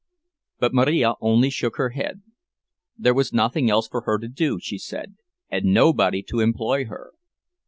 But Marija only shook her head. There was nothing else for her to do, she said, and nobody to employ her.